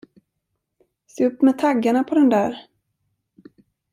Se upp med taggarna på den där!